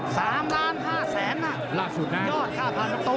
๓๕ล้านล่าสุดน่ะยอด๕๐๐๐ตัว